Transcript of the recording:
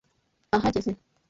Aha ageze.